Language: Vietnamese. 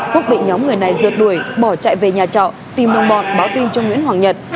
phúc bị nhóm người này rượt đuổi bỏ chạy về nhà trọ tìm đồng bọn báo tin cho nguyễn hoàng nhật